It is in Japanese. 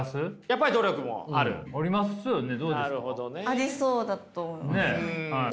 ありそうだと思います。